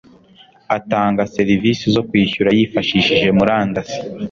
atanga serivisi zo kwishyura yifashishije murandasi